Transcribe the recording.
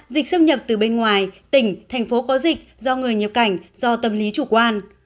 dịch xâm nhập từ bên ngoài tỉnh thành phố có dịch do người nhập cảnh do tâm lý chủ quan